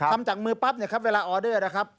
ทำจากมือปั๊บเวลาออเดอร์นะครับ